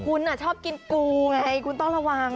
คุณชอบกินกูไงคุณต้องระวัง